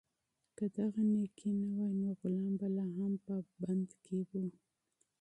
که دغه نېکي نه وای، نو غلام به لا هم په بند کې و.